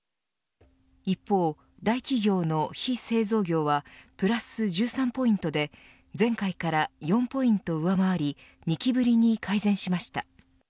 一方、大企業の非製造業はプラス１３ポイントで前回から４ポイント上回り２期ぶりに改善しました。